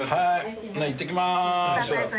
いってきまーす。